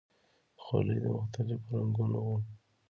خولۍ د مختلفو رنګونو وي.